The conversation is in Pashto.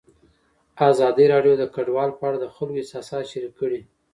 ازادي راډیو د کډوال په اړه د خلکو احساسات شریک کړي.